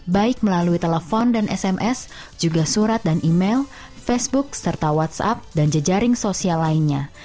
baik melalui telepon dan sms juga surat dan email facebook serta whatsapp dan jejaring sosial lainnya